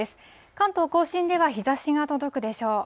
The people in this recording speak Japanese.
関東甲信では日ざしが届くでしょう。